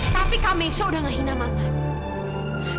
tapi kak mesya udah gak hina mama